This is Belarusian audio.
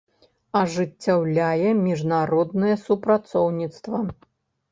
Ажыццяўляе мiжнароднае супрацоўнiцтва.